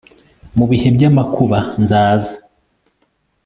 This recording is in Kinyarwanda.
mu bihe by'amakuba, nzaza